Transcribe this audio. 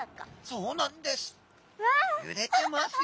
そうなんです。